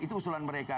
itu usulan mereka